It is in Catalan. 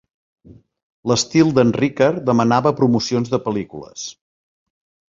L'estil d'en Rickard demanava promocions de pel·lícules.